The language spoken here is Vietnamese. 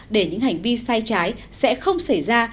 để những hành vi sai trái sẽ không xảy ra